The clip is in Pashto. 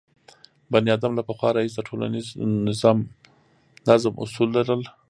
بنیادم له پخوا راهیسې د ټولنیز نظم اصول لرل.